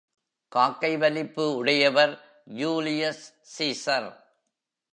காக்கை வலிப்பு உடையவர் ஜூலியஸ் ஸீஸர்.